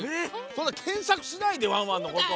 そんなけんさくしないでワンワンのこと。